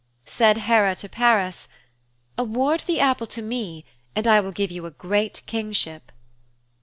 Said Hera to Paris, 'Award the apple to me and I will give you a great kingship.'